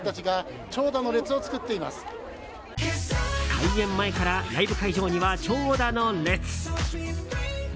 開演前からライブ会場には長蛇の列。